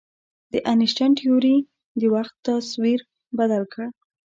د انیشتین تیوري د وخت تصور بدل کړ.